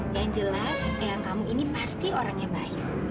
yang jelas ayah kamu ini pasti orang yang baik